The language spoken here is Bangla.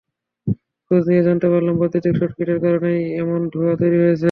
খোঁজ নিয়ে জানতে পারলাম, বৈদ্যুতিক শর্টসার্কিটের কারণেই এমন ধোঁয়া তৈরি হয়েছে।